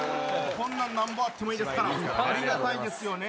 こんなんなんぼあってもいいですから、ありがたいですよね。